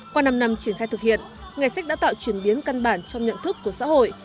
qua năm năm triển khai thực hiện ngày sách đã tạo chuyển biến căn bản trong nhận thức của xã hội